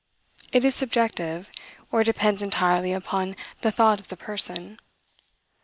It is subjective, or depends entirely upon the thought of the person.